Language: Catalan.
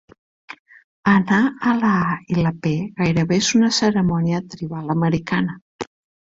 "Anar a la A i la P" gairebé és una cerimònia tribal americana.